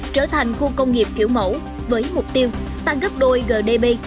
trở thành khu công nghiệp kiểu mẫu với mục tiêu tăng gấp đôi gdp